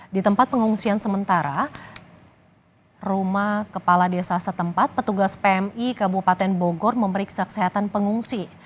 di tempat pengungsian sementara rumah kepala desa setempat petugas pmi kabupaten bogor memeriksa kesehatan pengungsi